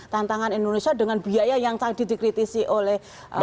tantangan indonesia dengan biaya yang tadi dikritisi oleh pak ransom tadi